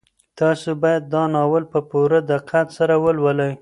تاسو باید دا ناول په پوره دقت سره ولولئ.